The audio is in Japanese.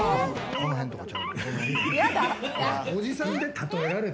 この辺とかちゃうの？